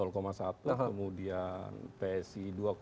kemudian psi dua dua